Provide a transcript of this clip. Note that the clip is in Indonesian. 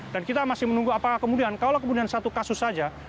dan kita masih menunggu apakah kemudian kalau kemudian satu kasus saja